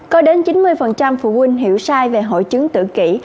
có đến chín mươi phụ huynh hiểu sai về hội chứng tự kỷ